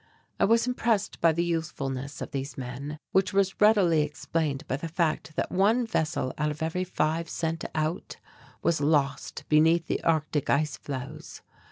I was impressed by the youthfulness of these men, which was readily explained by the fact that one vessel out of every five sent out was lost beneath the Arctic ice floes.